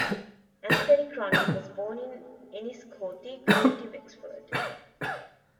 Anthony Cronin was born in Enniscorthy, County Wexford.